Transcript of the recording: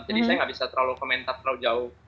jadi saya nggak bisa terlalu komentar terlalu jauh